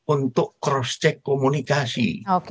untuk cross check komunikasi